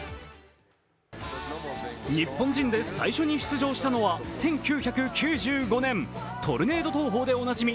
日本人で最初に出場したのは１９９５年、トルネード投法でおなじみ